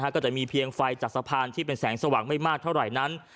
ก็จะมีเพียงไฟจากสะพานที่เป็นแสงสว่างไม่มากเท่าไหร่นั้น